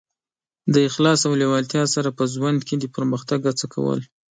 د اخلاص او لېوالتیا سره په ژوند کې د پرمختګ هڅه کول.